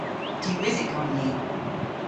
Diwysyk on ni.